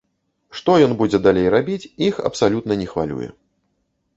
Што ён будзе далей рабіць, іх абсалютна не хвалюе.